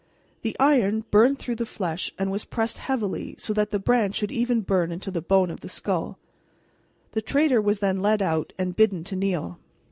The iron burned through the flesh and was pressed heavily so that the brand should even burn into the bone of the skull. The traitor was then led out and bidden to kneel.